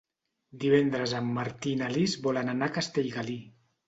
Divendres en Martí i na Lis volen anar a Castellgalí.